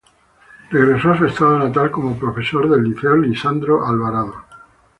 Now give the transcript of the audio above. Regresó a su estado natal como profesor del Liceo Lisandro Alvarado.